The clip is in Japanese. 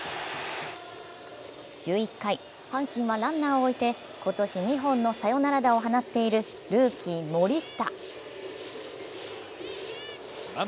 １１回、阪神はランナーを置いて今年２本のサヨナラ打を放っているルーキー・森下。